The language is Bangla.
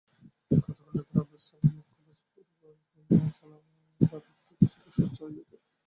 গতকাল দুপুরে আবদুস সালামের কলেজপড়ুয়া মেয়ে মারজানা আরা আক্তার কিছুটা সুস্থ হয়ে ওঠেন।